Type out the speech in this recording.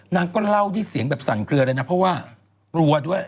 นางก็เล่าด้วยเสียงแบบสั่นเกลือเลยนะเพราะว่ากลัวด้วย